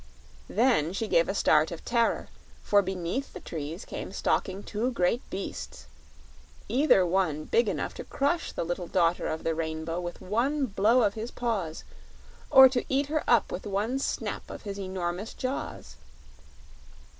Then she gave a start of terror, for beneath the trees came stalking two great beasts, either one big enough to crush the little Daughter of the Rainbow with one blow of his paws, or to eat her up with one snap of his enormous jaws.